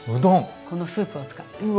このスープを使って。